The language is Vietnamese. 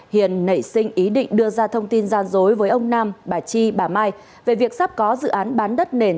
hiền nảy sinh ý định đưa ra thông tin gian dối với ông nam bà chi bà mai về việc sắp có dự án bán đất nền